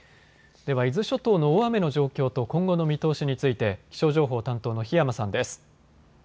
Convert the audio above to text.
では伊豆諸島の大雨の状況と今後の見通しについて気象情報担当の檜山さんです。